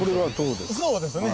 そうですね